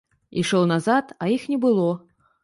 Ішоў назад, а іх не было.